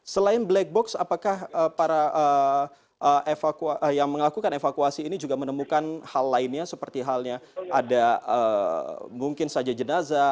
selain black box apakah para yang melakukan evakuasi ini juga menemukan hal lainnya seperti halnya ada mungkin saja jenazah